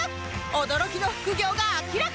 驚きの副業が明らかに